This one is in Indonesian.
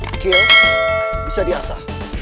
skill bisa di asa